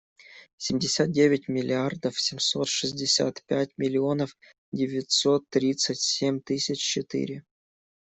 Семьдесят девять миллиардов семьсот шестьдесят пять миллионов девятьсот тридцать семь тысяч четыре.